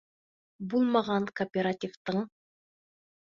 Булмаған кооперативтың.